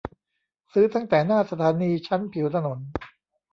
ซื้อตั้งแต่หน้าสถานีชั้นผิวถนน